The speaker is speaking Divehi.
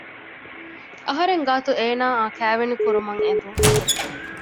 އަހަރެންގާތު އޭނާއާ ކައިވެނި ކުރުމަށް އެދުން